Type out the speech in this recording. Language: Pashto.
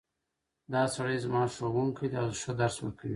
دا سړی زما ښوونکی ده او ښه درس ورکوی